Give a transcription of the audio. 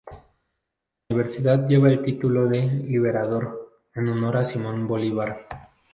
La universidad lleva el título de "Libertador" en honor a Simón Bolívar.